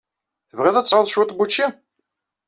Tebɣiḍ ad tesɛuḍ cwiṭ n wučči?